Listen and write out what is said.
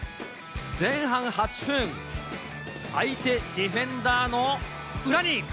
前半８分、相手ディフェンダーの裏に。